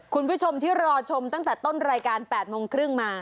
คุณผู้ชมที่รอชมตั้งแต่ต้นรายการ๘โมงครึ่งมา